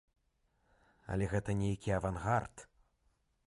Але гэта нейкі авангард.